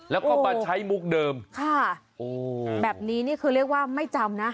แล้วก็มาใช้มุกเดิมค่ะโอ้แบบนี้นี่คือเรียกว่าไม่จำนะ